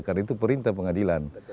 karena itu perintah pengadilan